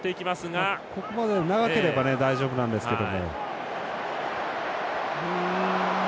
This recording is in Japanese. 長ければ大丈夫なんですけど。